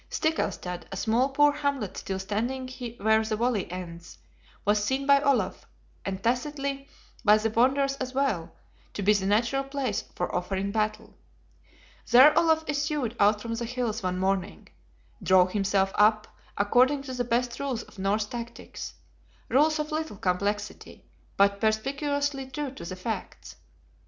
Stickelstad, a small poor hamlet still standing where the valley ends, was seen by Olaf, and tacitly by the Bonders as well, to be the natural place for offering battle. There Olaf issued out from the hills one morning: drew himself up according to the best rules of Norse tactics, rules of little complexity, but perspicuously true to the facts.